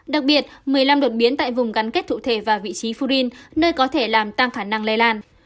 đặc biệt một mươi năm đột biến tại vùng gắn kết cụ thể và vị trí furin nơi có thể làm tăng khả năng lây lan